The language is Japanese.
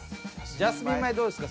ジャスミン米どうですか？